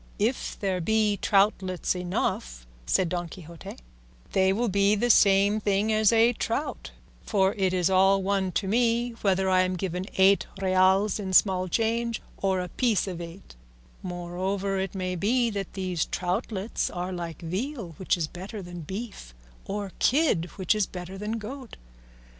"If there be troutlets enough," said Don Quixote, "they will be the same thing as a trout; for it is all one to me whether I am given eight reals in small change or a piece of eight; moreover, it may be that these troutlets are like veal, which is better than beef, or kid, which is better than goat.